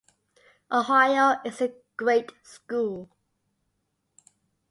Ohio is a great school.